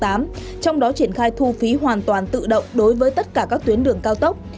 trong đó triển khai thu phí hoàn toàn tự động đối với tất cả các tuyến đường cao tốc